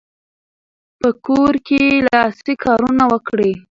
په کور کې لاسي کارونه وکړئ.